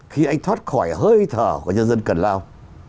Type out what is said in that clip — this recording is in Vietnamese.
khi anh thoát khỏi hơi thở của nhân dân cần lao